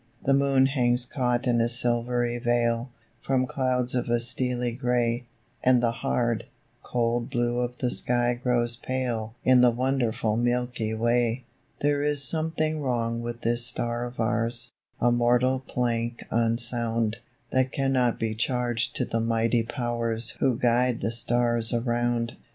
The moon hangs caught in a silvery veil, From clouds of a steely grey, And the hard, cold blue of the sky grows pale In the wonderful Milky Way. There is something wrong with this star of ours, A mortal plank unsound, That cannot be charged to the mighty powers Who guide the stars around.